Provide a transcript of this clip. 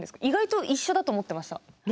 意外と一緒だと思ってました。